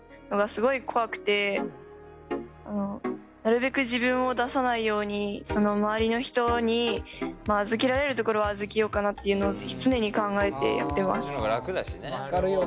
なるべく自分を出さないように周りの人に預けられるところは預けようかなっていうのを常に考えてやってます。